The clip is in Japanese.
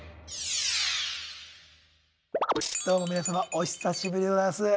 どうも皆様お久しぶりでございます。